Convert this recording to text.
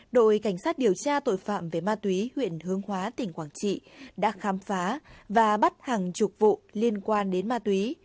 đội cảnh sát điều tra tội phạm về ma túy huyện hướng hóa tỉnh quảng trị đã khám phá và bắt hàng chục vụ liên quan đến ma túy